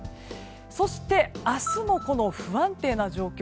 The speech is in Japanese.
そして明日も不安定な状況